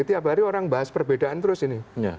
tiap hari orang bahas perbedaan terus ini